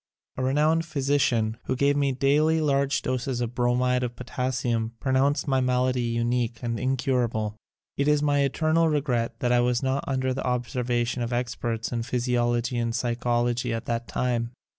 A renowned physician who gave me daily large doses of Bromid of Potassium pronounced my malady unique and incurable. It is my eternal regret that I was not under the observation of experts in physiology and psychology at that time.